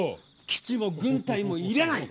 基地も軍隊も要らない！